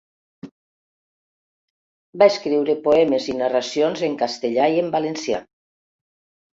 Va escriure poemes i narracions en castellà i en valencià.